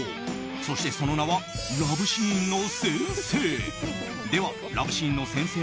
そしてその名はラブシーンの先生。